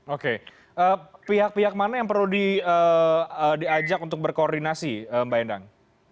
oke pihak pihak mana yang perlu diajak untuk berkoordinasi mbak endang